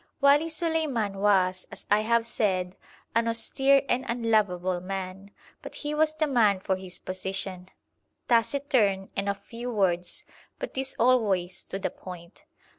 Wali Suleiman was, as I have said, an austere and unlovable man, but he was the man for his position: taciturn and of few words, but these always to the point.